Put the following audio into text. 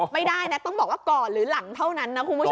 ไม่ได้นะต้องบอกว่าก่อนหรือหลังเท่านั้นนะคุณผู้ชม